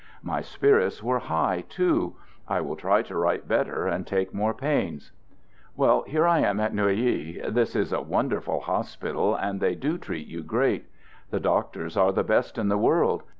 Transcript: My spirits were high, too. I will try to write better and take more pains. ...... Well, here I am at Neuilly. This is a won 156 "THE GOOD SOLDIER dcrf ul hospital, and they do treat you great ! The doctors are the best in the world.